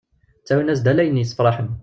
Ttawin-as-d ala ayen yessefraḥen.